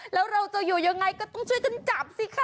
แล้วเราจะอยู่ยังไงก็ต้องช่วยกันจับสิคะ